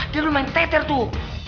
dia lu main teter tuh